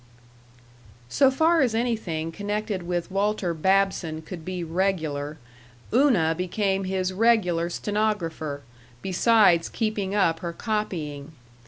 § 2 So far as anything connected with Walter Babson could be regular, Una became his regular stenographer, besides keeping up her copying.